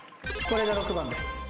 これが６番です。